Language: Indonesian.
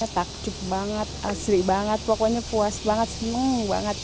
takjub banget asri banget pokoknya puas banget seneng banget